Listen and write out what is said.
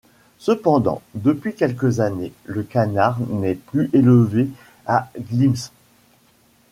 Cependant, depuis quelques années, le canard n'est plus élevé à Glimes.